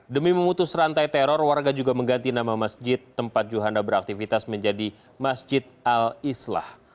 demi memutus rantai teror warga juga mengganti nama masjid tempat juhanda beraktivitas menjadi masjid al islah